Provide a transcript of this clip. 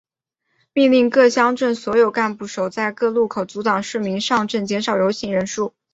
命令各乡镇所有干部守在各路口阻拦市民上镇减少游行人数。